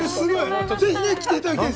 ぜひ来ていただきたい！